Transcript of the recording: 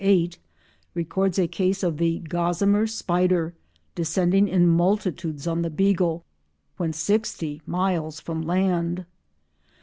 VIII) records a case of the "gossamer spider" descending in multitudes on the "Beagle" when sixty miles from land.